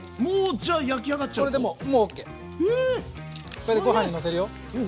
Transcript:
これでご飯にのせるよ。